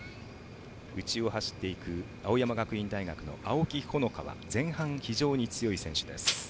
内を走っていく青山学院大学の青木穂花は前半が非常に強い選手です。